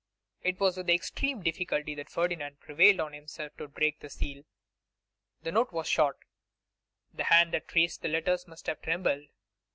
It was with extreme difficulty that Ferdinand prevailed on himself to break the seal. The note was short; the hand that traced the letters must have trembled.